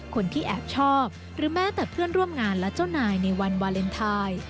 คนที่แอบชอบหรือแม้แต่เพื่อนร่วมงานและเจ้านายในวันวาเลนไทย